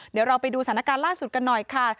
เดี๋ยวเราไปดูสถานการณ์ล่าสุดกันหน่อยค่ะ